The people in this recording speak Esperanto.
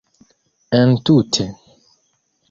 entute